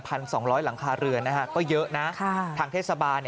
บ้านอยู่หลังตรงโน้นที่บิเขาชี้